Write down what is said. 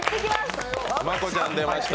真子ちゃんでました。